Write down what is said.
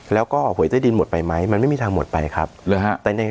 แล้วก็หวยใต้ดินหมดไปไหมมันไม่มีทางหมดไปครับหรือฮะแต่ใน